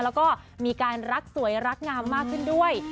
แล้วก็มีการรักสวยรักงามมากขึ้นด้วย